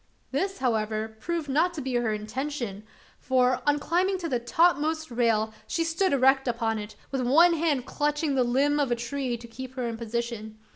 This, however, proved not to be her intention; for, on climbing to the topmost rail, she stood erect upon it, with one hand clutching the limb of a tree, to keep her in position.